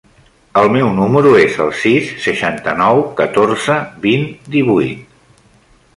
El meu número es el sis, seixanta-nou, catorze, vint, divuit.